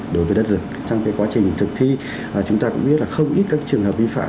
đối với đất rừng trong quá trình thực thi chúng ta cũng biết là không ít các trường hợp vi phạm